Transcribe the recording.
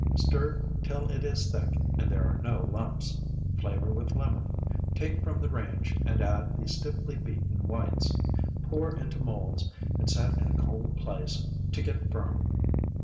Stir till it is thick and there are no lumps. Flavor with lemon, take from the range, and add the stiffly beaten whites. Pour into molds and set in a cool place to get firm.